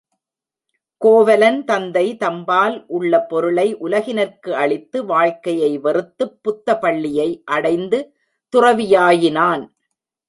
கோவலன் தந்தை தம்பால் உள்ள பொருளை உலகினர்க்கு அளித்து வாழ்க்கையை வெறுத்துப் புத்த பள்ளியை அடைந்து துறவியாயினான்.